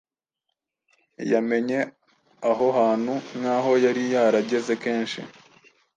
Yamenye aho hantu nk’aho yari yarageze kenshi